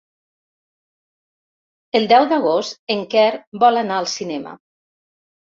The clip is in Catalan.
El deu d'agost en Quer vol anar al cinema.